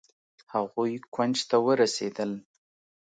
هغوئ کونج ته ورسېدل.